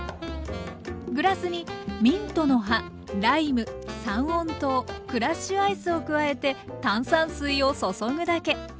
グラスにミントの葉ライム三温糖クラッシュアイスを加えて炭酸水を注ぐだけ。